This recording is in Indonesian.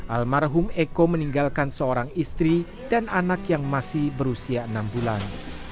almarhum eko meninggalkan seorang istri dan anak yang masih berusia enam bulan